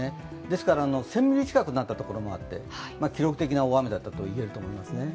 ですから、１０００ミリ近くになったところもあって記録的な大雨だったと言えると思いますね。